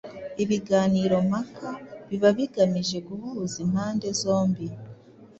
Ibiganiro mpaka biba bigamije guhuza impande zombi